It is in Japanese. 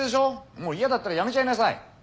もう嫌だったら辞めちゃいなさい。